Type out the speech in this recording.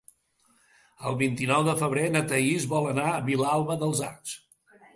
El vint-i-nou de febrer na Thaís vol anar a Vilalba dels Arcs.